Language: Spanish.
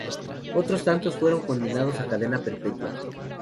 Otros tantos fueron condenados a cadena perpetua.